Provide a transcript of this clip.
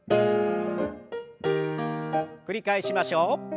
繰り返しましょう。